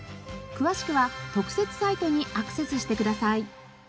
詳しくは特設サイトにアクセスしてください。